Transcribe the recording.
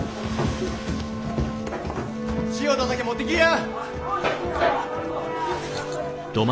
塩と酒持ってきや！